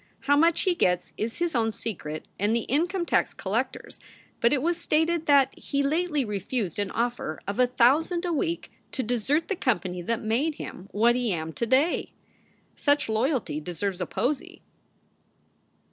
How much he gets is his own secret and the income tax collector s, but it was stated that he lately refused an offer of a thousand a week to desert the com pany that made him what he yam to day. Such loyalty deserves a posy.